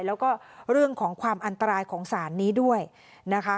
แล้วก็เรื่องของความอันตรายของสารนี้ด้วยนะคะ